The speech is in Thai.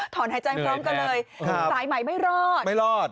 ถอนหายใจพร้อมกันเลยสายใหม่ไม่รอดไม่รอด